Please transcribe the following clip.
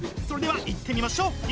それではいってみましょう！